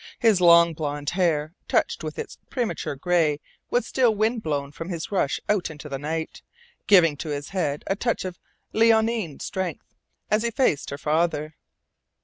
His long blond hair, touched with its premature gray, was still windblown from his rush out into the night, giving to his head a touch of leonine strength as he faced her father.